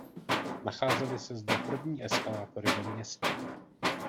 Nacházely se zde první eskalátory ve městě.